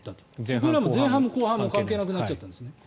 これは前半も後半も関係なくなっちゃったんですね。